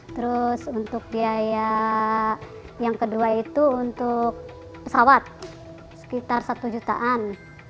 terus untuk biaya yang kedua itu untuk pesawat sekitar satu jutaan